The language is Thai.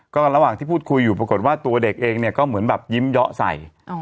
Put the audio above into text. ก็ระหว่างที่พูดคุยอยู่ปรากฏว่าตัวเด็กเองเนี่ยก็เหมือนแบบยิ้มเยาะใส่